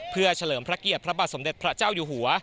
เพื่อเฉลิมพระเกียรติพระบาทสมเด็จพระเจ้าอยู่หัว